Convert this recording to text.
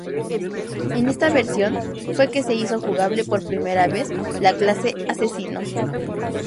En esta versión fue que se hizo jugable por primera vez la clase Asesino.